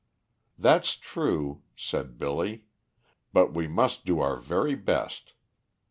"That's true," said Billy. "But we must do our very best.